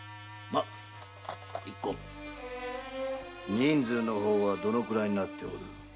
人数の方はどのくらいになっておる？